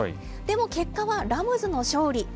でも結果は、ラムズの勝利。